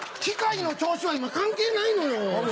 機械の調子は今関係ないのよ。